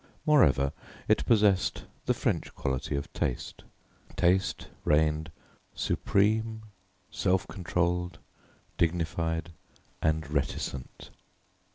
Moreover, it possessed the French quality of taste: taste reigned supreme, self controlled, dignified and reticent.